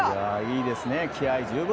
いいですね、気合十分。